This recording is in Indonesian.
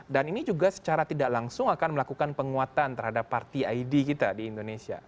dan ini juga secara tidak langsung akan melakukan penguatan terhadap parti id kita di indonesia